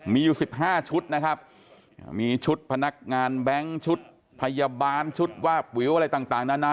มีอยู่๑๕ชุดนะครับมีชุดพนักงานแบงค์ชุดพยาบาลชุดวาบวิวอะไรต่างนานา